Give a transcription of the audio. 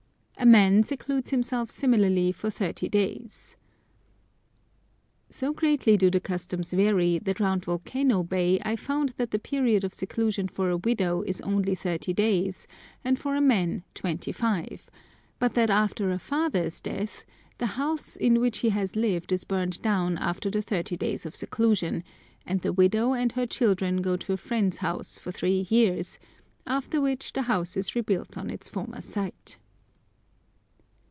A man secludes himself similarly for thirty days. [So greatly do the customs vary, that round Volcano Bay I found that the period of seclusion for a widow is only thirty days, and for a man twenty five; but that after a father's death the house in which he has lived is burned down after the thirty days of seclusion, and the widow and her children go to a friend's house for three years, after which the house is rebuilt on its former site.